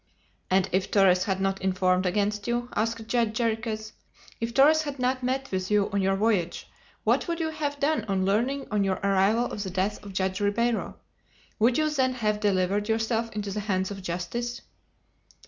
"And if Torres had not informed against you," asked Judge Jarriquez "if Torres had not met with you on your voyage, what would you have done on learning on your arrival of the death of Judge Ribeiro? Would you then have delivered yourself into the hands of justice?"